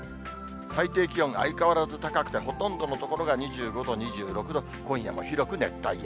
最低気温、相変わらず高くて、ほとんどの所が２５度、２６度、今夜も広く熱帯夜。